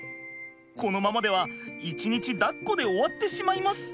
このままでは一日だっこで終わってしまいます！